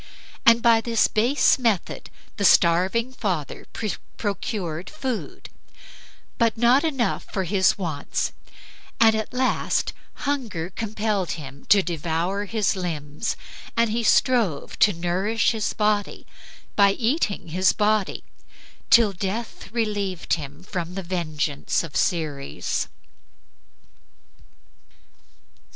By this base method the starving father procured food; but not enough for his wants, and at last hunger compelled him to devour his limbs, and he strove to nourish his body by eating his body, till death relieved him from the vengeance of Ceres.